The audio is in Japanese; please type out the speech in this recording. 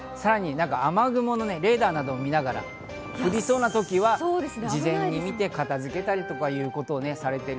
さらに雨雲のデータなども見ながら、降りそうな時は事前に見て片付けたりとかいうことをされている。